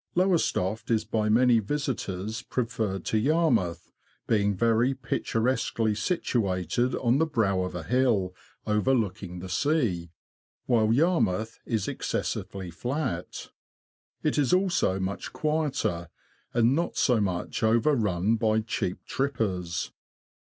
Lowestoft is by many visitors preferred to Yarmouth, being very picturesquely situated on the brow of a hill overlooking the sea, while Yarmouth is excessively flat. It is also much quieter, and not so much overrun by cheap trippers.